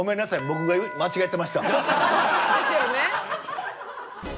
僕が間違ってました。ですよね。